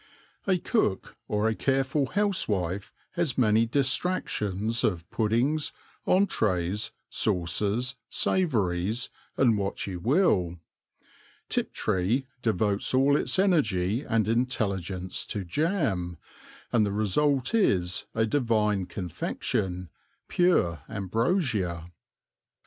A cook or a careful housewife has many distractions of puddings, entrées, sauces, savouries, and what you will. Tiptree devotes all its energy and intelligence to jam, and the result is a divine confection, pure ambrosia.